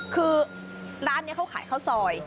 คือร้านนี้เขาขายข้าวซอย